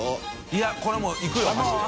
いこれもういくよ箸で。